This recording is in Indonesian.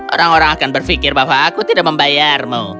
orang orang akan berpikir bahwa aku tidak membayarmu